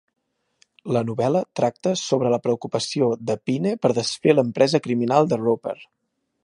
La novel·la tracta sobre la preocupació de Pine per desfer l'empresa criminal de Roper.